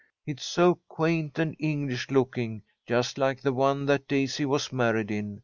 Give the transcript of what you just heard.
It's so quaint and English looking, just like the one that Daisy was married in.